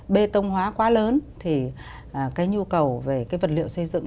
bê tông hóa quá lớn thì cái nhu cầu về cái vật liệu xây dựng